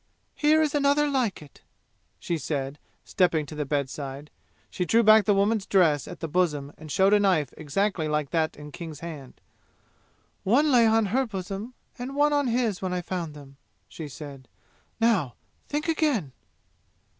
"Here is another like it," she said, stepping to the bedside. She drew back the woman's dress at the bosom and showed a knife exactly like that in King's hand. "One lay on her bosom and one on his when I found them!" she said. "Now, think again!"